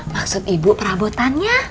maksud ibu perabotannya